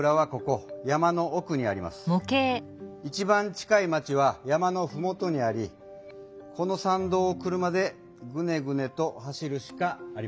一番近い町は山のふもとにありこのさんどうを車でグネグネと走るしかありません。